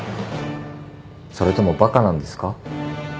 それともバカなんですか？